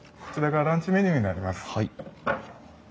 こちらがランチメニューになります。